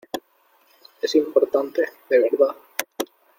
es importante, de verdad.